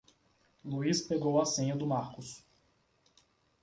Luiz pegou a senha do Marcos.